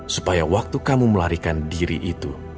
supaya waktu kamu melarikan diri itu